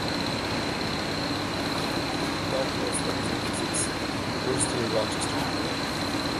She completed doctoral studies in physics at the University of Rochester.